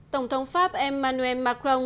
tổng thống pháp emmanuel macron